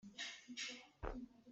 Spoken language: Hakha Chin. Fei in an khawh i aa phet.